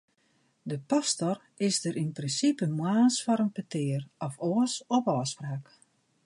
De pastor is der yn prinsipe moarns foar in petear, of oars op ôfspraak.